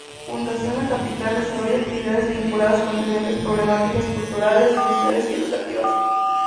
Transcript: Fundación la Capital desarrolla actividades vinculadas con diferentes problemáticas culturales, sociales y educativas.